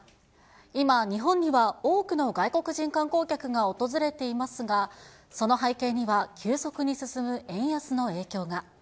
今、日本には多くの外国人観光客が訪れていますが、その背景には、急速に進む円安の影響が。